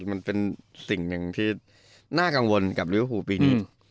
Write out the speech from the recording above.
ใช่มันเป็นสิ่งหนึ่งที่น่ากังวลกับเรียบรู้ปีนี้